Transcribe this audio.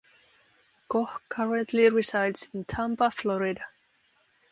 Koch currently resides in Tampa, Florida.